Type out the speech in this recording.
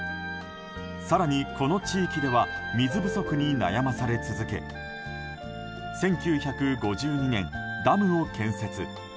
更にこの地域では水不足に悩まされ続け１９５２年、ダムを建設。